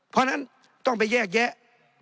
เพราะฉะนั้นต้องไปแยกแยะ